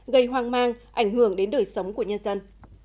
gây hoang mang ảnh hưởng đến đời sống của nhân dân